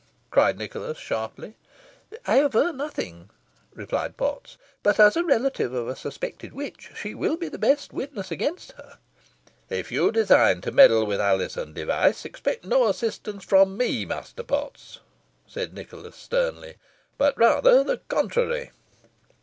cried Nicholas, sharply. "I aver nothing," replied Potts; "but, as a relative of a suspected witch, she will be the best witness against her." "If you design to meddle with Alizon Device, expect no assistance from me, Master Potts," said Nicholas, sternly, "but rather the contrary."